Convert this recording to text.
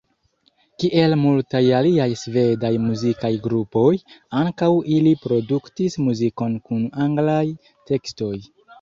Kiel multaj aliaj svedaj muzikaj grupoj, ankaŭ ili produktis muzikon kun anglaj tekstoj.